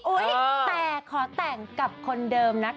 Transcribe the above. แต่ขอแต่งกับคนเดิมนะคะ